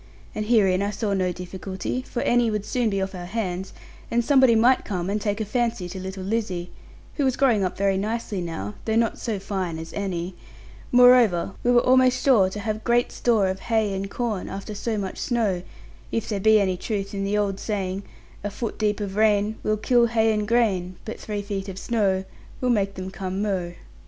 And herein I saw no difficulty; for Annie would soon be off our hands, and somebody might come and take a fancy to little Lizzie (who was growing up very nicely now, though not so fine as Annie); moreover, we were almost sure to have great store of hay and corn after so much snow, if there be any truth in the old saying, "A foot deep of rain Will kill hay and grain; But three feet of snow Will make them come mo'."